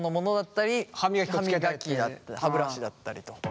歯ブラシだったりと。